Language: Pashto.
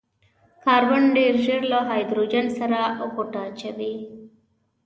کاربن ډېر ژر له هايډروجن سره غوټه اچوي.